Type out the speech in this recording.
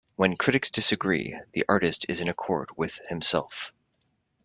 When critics disagree, the artist is in accord with himself.